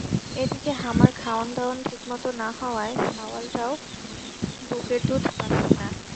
এদিকে হামার খাওন দাওন ঠিকমতো না হওয়ায় ছাওয়ালটাও বুকের দুধ প্যাচ্চে না।